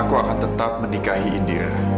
aku akan tetap menikahi india